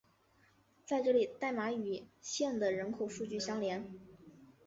在这里代码与县的人口数据相连。